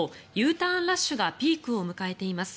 Ｕターンラッシュがピークを迎えています。